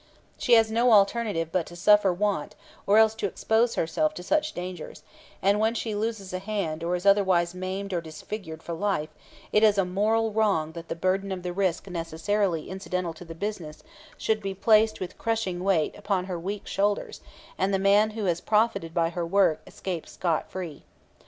She has no alternative but to suffer want or else to expose herself to such dangers, and when she loses a hand or is otherwise maimed or disfigured for life it is a moral wrong that the burden of the risk necessarily incidental to the business should be placed with crushing weight upon her weak shoulders and the man who has profited by her work escape scot free.